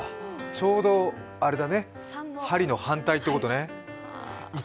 ちょうどあれだね、針の反対ってことね。